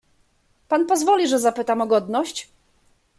"Pan pozwoli, że zapytam o godność?"